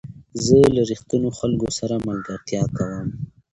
زه له رښتینو خلکو سره ملګرتیا کوم.